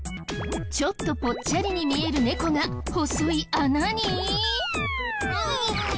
ちょっとぽっちゃりに見える猫が細い穴に！？